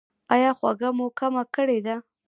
ایا خوږه مو کمه کړې ده؟